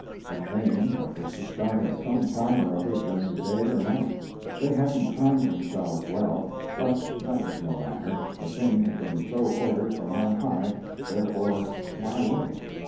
A train that was to start at some time or other during the day or night! They hadn't timed themselves well, but that was no matter the thing had been so ordered from on high, therefore why worry?